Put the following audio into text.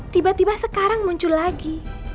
tiba tiba sekarang muncul lagi